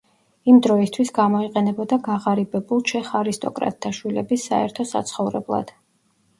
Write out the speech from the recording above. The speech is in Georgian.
იმ დროისთვის გამოიყენებოდა გაღარიბებულ ჩეხ არისტოკრატთა შვილების საერთო საცხოვრებლად.